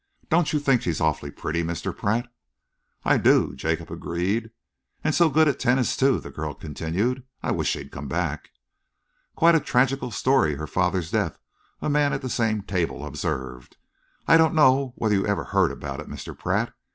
Don't you think she's awfully pretty, Mr. Pratt?" "I do," Jacob agreed. "And so good at tennis, too," the girl continued. "I wish she'd come back." "Quite a tragical story, her father's death," a man at the same table observed. "I don't know whether you ever heard about it, Mr. Pratt.